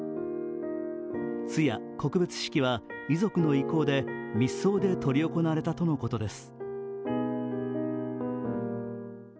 通夜・告別式は遺族の意向で密葬で執り行われたということです。